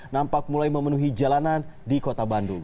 nampak mulai memenuhi jalanan di kota bandung